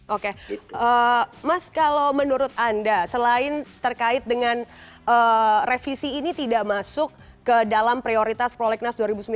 oke mas kalau menurut anda selain terkait dengan revisi ini tidak masuk ke dalam prioritas prolegnas dua ribu sembilan belas